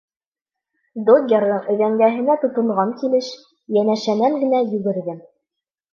Доггерҙың өҙәңгеһенә тотонған килеш, йәнәшәнән генә йүгерҙем.